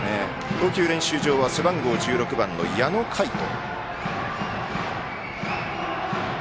投球練習場は背番号１６番の矢野海翔。